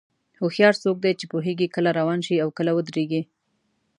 هوښیار څوک دی چې پوهېږي کله روان شي او کله ودرېږي.